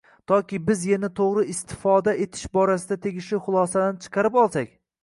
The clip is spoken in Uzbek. Toki biz yerni to‘g‘ri istifoda etish borasida tegishli xulosalarni chiqarib olsak.